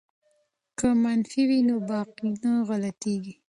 که منفي وي نو باقی نه غلطیږي.